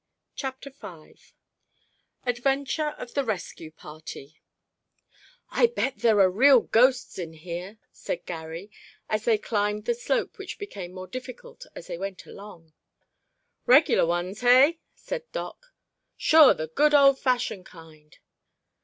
CHAPTER V ADVENTURE OF THE RESCUE PARTY "I bet there are real ghosts in here," said Garry, as they climbed the slope which became more difficult as they went along. "Regular ones, hey?" said Doc. "Sure, the good old fashioned kind."